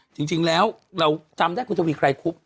จริงแล้วเราจำได้คุณทวีไกรคุบ